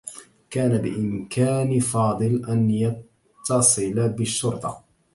كان بإمكان فاضل أن يتّصل بالشّرطة.